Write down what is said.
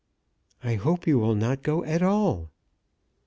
"I hope you will not go at all."